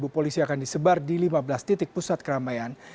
dua puluh polisi akan disebar di lima belas titik pusat keramaian